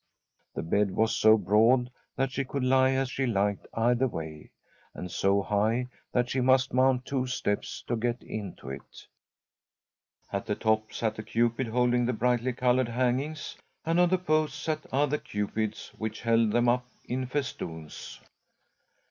The bed was so broad that she could lie as she liked either way, and so high that she must mount two steps to get into it. At the top sat a Cupid holding the brightly coloured hangings, and on the posts sat other Cupids, which held them up in festoons.